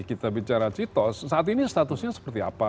kita bicara citos saat ini statusnya seperti apa